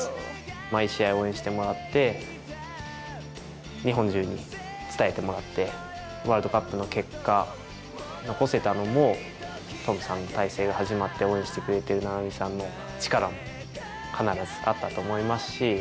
毎試合応援してもらって、日本中に伝えてもらって、ワールドカップの結果残せたのも、トムさんの体制で始まって応援してくれてる菜波さんの力も必ずあったと思いますし。